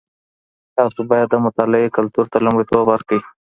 تاسو بايد د مطالعې کلتور ته لومړيتوب ورکړئ.